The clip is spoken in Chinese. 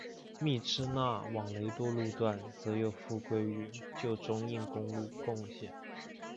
密支那往雷多路段则又复归与旧中印公路共线。